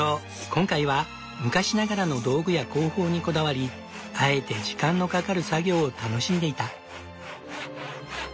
今回は昔ながらの道具や工法にこだわりあえて時間のかかる作業を楽しんでいた。